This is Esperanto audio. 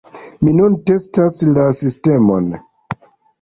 Mi nun testas la sistemon.